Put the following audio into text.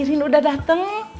irin udah dateng